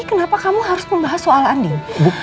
kenapa kamu harus membahas soal ending